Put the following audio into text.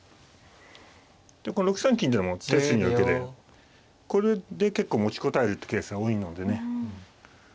この６三金っていうのも手筋の手でこれで結構持ちこたえるってケースが多いのでね。